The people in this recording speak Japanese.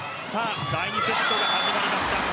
第２セットが始まりました。